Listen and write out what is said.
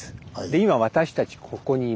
今私たちここにいます。